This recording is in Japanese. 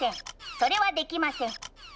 それはできません。